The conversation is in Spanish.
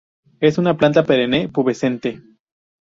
Es una planta perenne pubescente.